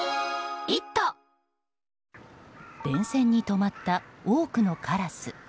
電線に止まった多くのカラス。